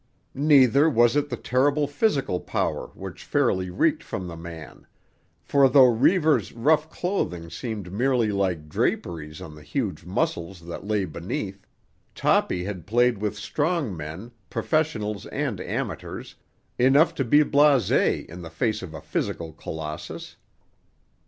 Neither was it the terrible physical power which fairly reeked from the man; for though Reivers' rough clothing seemed merely light draperies on the huge muscles that lay beneath, Toppy had played with strong men, professionals and amateurs, enough to be blasé in the face of a physical Colossus.